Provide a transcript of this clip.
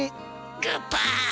グッバーイ。